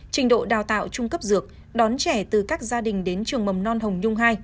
trình độ đào tạo trung cấp dược đón trẻ từ các gia đình đến trường mầm non hồng nhung hai